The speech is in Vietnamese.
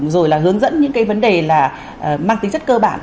rồi là hướng dẫn những cái vấn đề là mang tính chất cơ bản